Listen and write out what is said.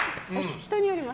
人によります。